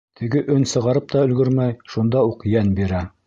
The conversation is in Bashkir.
Теге өн сығарып та өлгөрмәй, шунда уҡ йән бирә.